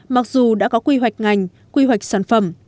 mặc dù đã có quy hoạch ngành quy hoạch sản phẩm